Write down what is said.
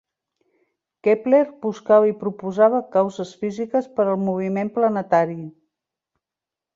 Kepler buscava i proposava causes físiques per al moviment planetari.